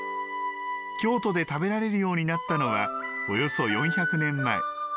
京都で食べられるようになったのは、およそ４００年前。